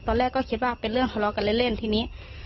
ตอนแรกก็คิดว่าเป็นเรื่องทะเลาะกันเล่นทีนี้